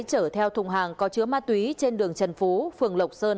chở theo thùng hàng có chứa ma túy trên đường trần phú phường lộc sơn